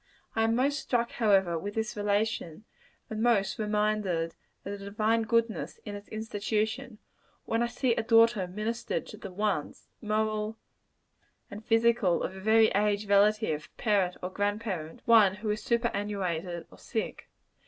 I am most struck, however, with this relation and most reminded of the divine goodness in its institution when I see a daughter ministering to the wants, moral and physical, of a very aged relative, parent or grandparent; one who is superannuated or sick.